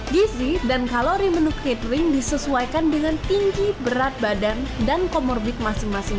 gizi dan kalori menu catering disesuaikan dengan tinggi berat badan dan comorbid masing masing